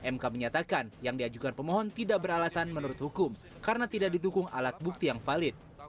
mk menyatakan yang diajukan pemohon tidak beralasan menurut hukum karena tidak didukung alat bukti yang valid